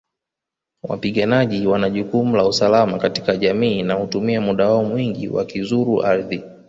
Wapiganaji wana jukumu la usalama katika jamii na hutumia muda wao mwingi wakizuru ardhi